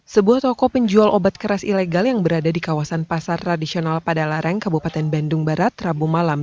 sebuah toko penjual obat keras ilegal yang berada di kawasan pasar tradisional padalarang kabupaten bandung barat rabu malam